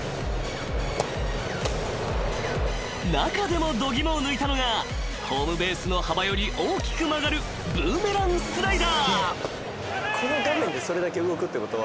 ［中でも度肝を抜いたのがホームベースの幅より大きく曲がるブーメランスライダー］